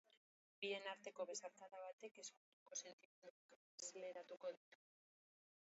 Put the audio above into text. Bien arteko besarkada batek ezkutuko sentimenduak azaleratuko ditu.